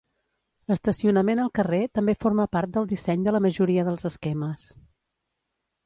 L'estacionament al carrer també forma part del disseny de la majoria dels esquemes.